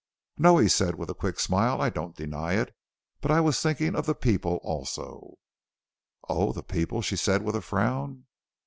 "No!" he said with a quick smile; "I don't deny it. But I was thinking of the people also." "Oh, the people!" she said with a frown.